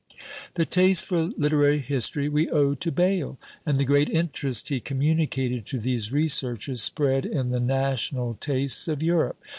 The taste for literary history we owe to Bayle; and the great interest he communicated to these researches spread in the national tastes of Europe.